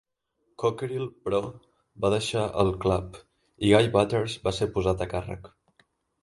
Cockerill però va deixar el Club i Guy Butters va ser posat a càrrec.